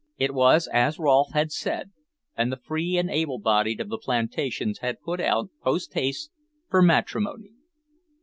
It was as Rolfe had said, and the free and able bodied of the plantations had put out, posthaste, for matrimony.